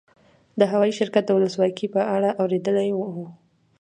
د هوايي شرکت د لوکسوالي په اړه اورېدلي ول.